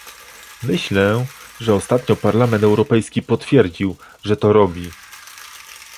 Myślę, że ostatnio Parlament Europejski potwierdził, że to robi